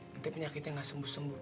nanti penyakitnya nggak sembuh sembuh